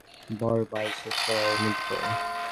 বরং বাল শেভ করাও এর মধ্যে পড়ে।